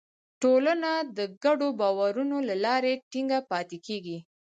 ټولنه د ګډو باورونو له لارې ټینګه پاتې کېږي.